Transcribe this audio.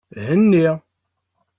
Henni.